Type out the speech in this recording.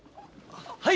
はい！